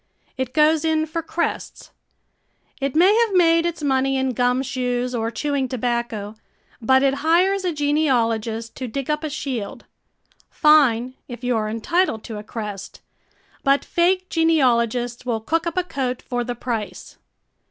It goes in for crests. It may have made its money in gum shoes or chewing tobacco, but it hires a genealogist to dig up a shield. Fine, if you are entitled to a crest. But fake genealogists will cook up a coat for the price.